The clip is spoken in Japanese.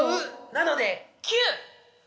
なので９！